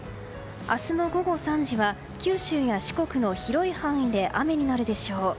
明日の午後３時は九州や四国の広い範囲で雨になるでしょう。